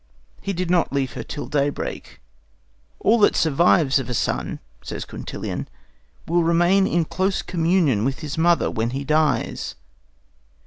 He did not leave her till daybreak. "All that survives of a son," says Quintilian, "will remain in close communion with his mother when he dies."